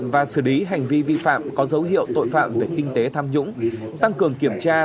và xử lý hành vi vi phạm có dấu hiệu tội phạm về kinh tế tham nhũng tăng cường kiểm tra